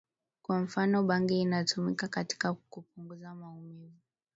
Kwa mfano bangi inatumika katika kupunguza maumivu